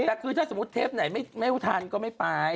แต่คือถ้าสมมุติเทปไหนไม่ทันก็ไม่ไป